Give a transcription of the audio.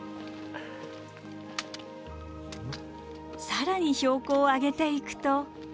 更に標高を上げていくと。